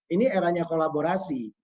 ini eranya kolaborasi